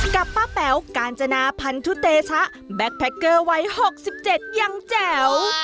กับป้าแป๋วกาญจนาพันธุเตชะแบ็คแพคเกอร์วัย๖๗ยังแจ๋ว